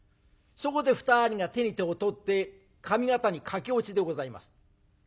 そこで２人が手に手を取って上方に駆け落ちでございます。